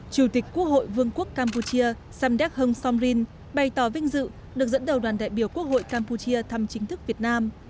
chủ tịch quốc hội vương quốc campuchia samdek heng somrin bày tỏ vinh dự được dẫn đầu đoàn đại biểu quốc hội campuchia thăm chính thức việt nam